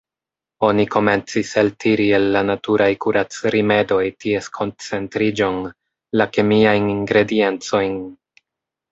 Oni komencis eltiri el la naturaj kurac-rimedoj ties koncentriĝon, la kemiajn ingrediencojn.